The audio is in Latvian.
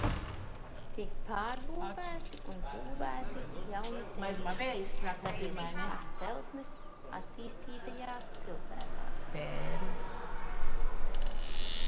Tika pārbūvēti un būvēti jauni tempļi, sabiedriskas celtnes, attīstījās pilsētas.